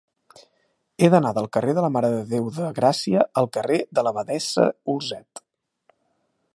He d'anar del carrer de la Mare de Déu de Gràcia al carrer de l'Abadessa Olzet.